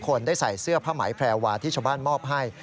คนได้ใส่เสื้อผ้าไหมแพรวาที่ชาวบ้านมอบให้